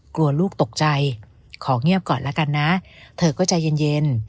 กลัวลูกตกใจขอเงียบก่อนแล้วกันนะเธอก็ใจเย็น